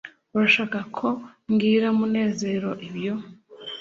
urashaka ko mbwira munezero ibyo